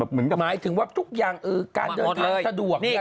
หมายถึงว่าทุกอย่างการเดินทางสะดวกเนี่ย